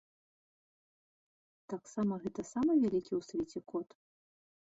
Таксама гэта самы вялікі ў свеце кот.